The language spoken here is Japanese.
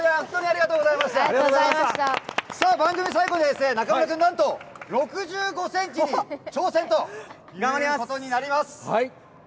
さあ、番組最後ですね、中村君、なんと６５センチに挑戦ということになります。